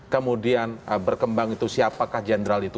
kemudian berkembang itu siapakah jenderal itu